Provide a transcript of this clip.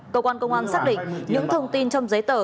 cơ quan công an xác định những thông tin trong giấy tờ